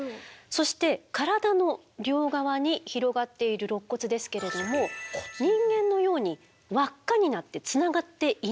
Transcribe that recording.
そして体の両側に広がっているろっ骨ですけれども人間のように輪っかになってつながっていないんです。